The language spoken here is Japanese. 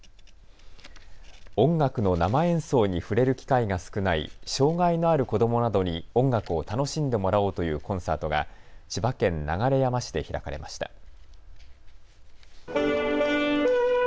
音楽の生演奏に触れる機会が少ない障害のある子どもなどに音楽を楽しんでもらおうというコンサートが千葉県流山市で開かれました。